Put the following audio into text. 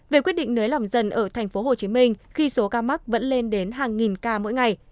về quyết định nới lỏng dần ở thành phố hồ chí minh khi số ca mắc vẫn lên đến hàng nghìn ca mỗi ngày